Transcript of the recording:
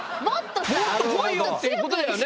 もっとさ。っていうことだよね？